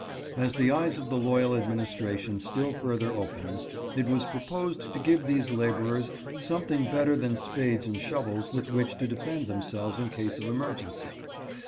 As the eyes of the loyal administration still further opened, it was proposed to give these laborers something better than spades and shovels with which to defend themselves in cases of emergency.